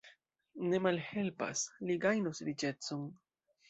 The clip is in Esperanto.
Ne malhelpas! li gajnos riĉecon.